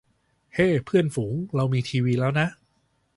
เฮ้ เพื่อนฝูง เรามีทีวีแล้วนะ